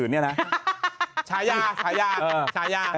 เดี๋ยวรอทีวเสิร์ฟวันจันค่ะ